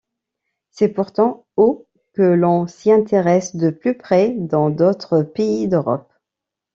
C'est pourtant au que l’on s’y intéresse de plus près dans d’autres pays d’Europe.